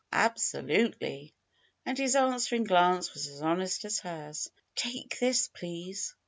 Absolutely !" And his answering glance was as honest as hers. 'Take this, please!"